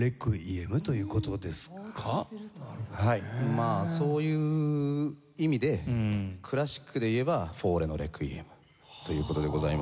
まあそういう意味でクラシックでいえばフォーレの『レクイエム』という事でございます。